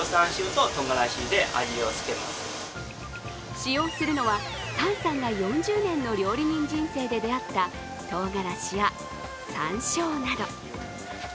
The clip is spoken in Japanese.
使用するのは譚さんが４０年の料理人人生で出会ったとうがらしや、さんしょうなど。